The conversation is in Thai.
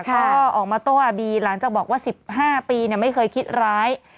ก็ออกมาโต้อาบีหลังจากบอกว่า๑๕ปีไม่เคยคิดร้าย